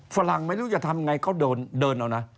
ฝรั่งไม่รู้จะทำไงเขาเดินเอานะ